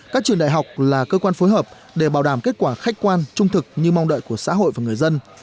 các trường đại học là cơ quan phối hợp để bảo đảm kết quả khách quan trung thực như mong đợi của xã hội và người dân